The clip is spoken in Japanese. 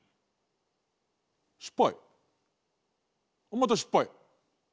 また失敗。